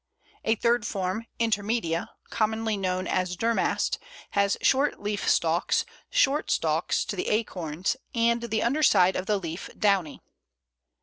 A third form (intermedia), commonly known as Durmast, has short leaf stalks, short stalks to the acorns, and the under side of the leaf downy.